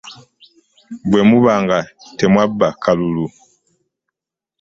Bwemuba nga temwabba kalulu.